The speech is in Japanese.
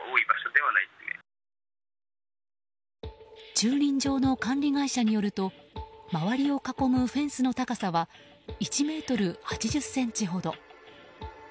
駐輪場の管理会社によると周りを囲むフェンスの高さは１ｍ８０ｃｍほど。